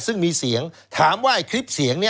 ซึ่งมีเสียงถามว่าคลิปเสียงนี้